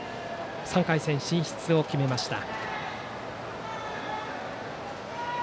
３回戦進出を決めました。